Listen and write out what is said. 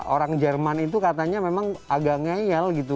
orang jerman itu katanya memang agak ngeyel gitu